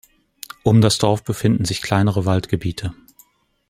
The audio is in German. Um das Dorf befinden sich kleinere Waldgebiete.